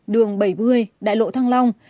đường bảy mươi đại lộ thăng long